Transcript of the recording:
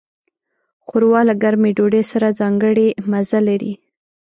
ښوروا له ګرمې ډوډۍ سره ځانګړی مزه لري.